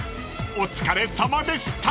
［お疲れさまでした］